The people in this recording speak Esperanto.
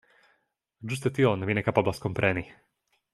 Ĝuste tion vi ne kapablas kompreni...